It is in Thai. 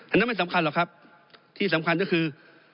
อันนั้นไม่สำคัญหรอกครับที่สำคัญก็คือ